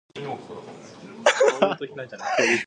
The factor comes from Fourier transform conventions.